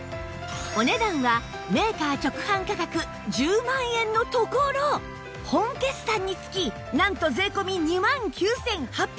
お値段はメーカー直販価格１０万円のところ本決算につきなんと税込２万９８００円